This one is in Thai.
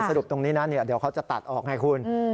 สรุปตรงนี้นะเดี๋ยวเขาจะตัดออกไงคุณ